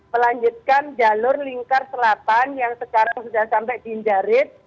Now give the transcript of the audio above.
melanjutkan jalur lingkar selatan yang sekarang sudah sampai di injarit